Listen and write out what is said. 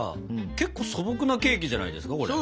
結構素朴なケーキじゃないですかこれ。